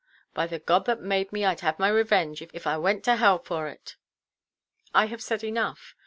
"By the God that made me, Iʼd have my revenge, if I went to hell for it." "I have said enough.